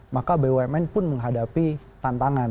maka bumn pun menghadapi tantangan